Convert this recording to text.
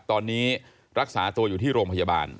ตอนนี้รักษาตัวอยู่ที่โรงพยาบาล